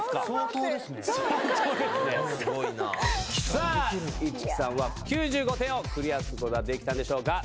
さぁ市來さんは９５点をクリアすることができたんでしょうか？